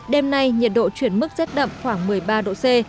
đêm nay nhiệt độ chuyển mức rét đậm khoảng một mươi ba độ c